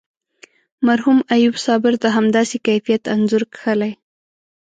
مرحوم ایوب صابر د همداسې کیفیت انځور کښلی.